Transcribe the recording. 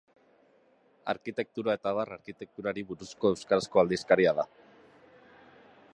Arkitektura eta abar arkitekturari buruzko euskarazko aldizkaria da.